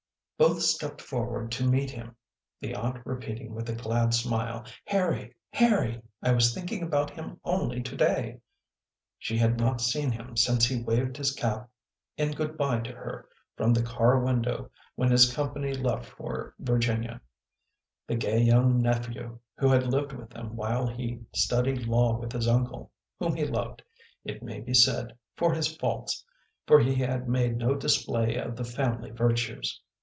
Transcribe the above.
" Both stepped forward to meet him ; the aunt repeating with a glad smile, " Harry ! Harry ! I was thinking about him only today," She had not seen him since he waved his cap in good bye to her from the car window when his company left for Virginia : the gay, young nephew, who had lived with them while he studied law with his uncle, whom she loved, it may be said, for his faults, for he had made no display of the family virtues.